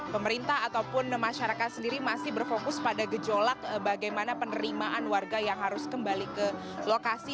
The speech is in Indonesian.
pemerintah ataupun masyarakat sendiri masih berfokus pada gejolak bagaimana penerimaan warga yang harus kembali ke lokasi